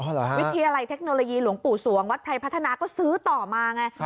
วิทยาลัยเทคโนโลยีหลวงปู่สวงวัดไพรพัฒนาก็ซื้อต่อมาไง